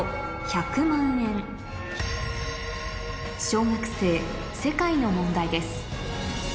小学生世界の問題です